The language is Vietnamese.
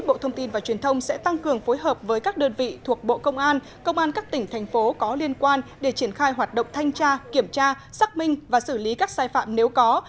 bộ thông tin và truyền thông sẽ tăng cường phối hợp với các đơn vị thuộc bộ công an công an các tỉnh thành phố có liên quan để triển khai hoạt động thanh tra kiểm tra xác minh và xử lý các sai phạm nếu có